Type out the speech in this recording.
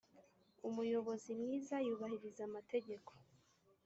umuyobozi mwiza yubahiriza amategeko